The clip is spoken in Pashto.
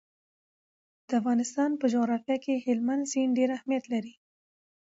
د افغانستان په جغرافیه کې هلمند سیند ډېر اهمیت لري.